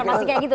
masih kayak gitu